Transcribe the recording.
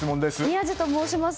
宮司と申します。